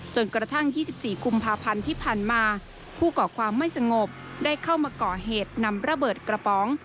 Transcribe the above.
จนกระทั่ง๒๔กุมภาพันธ์ที่ผ่านมาผู้ก่อความไม่สงบได้เข้ามาก่อเหตุนำระเบิดกระป๋อง